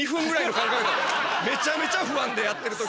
めちゃめちゃ不安でやってる時。